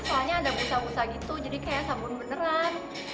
soalnya ada busa busa gitu jadi kayak sabun beneran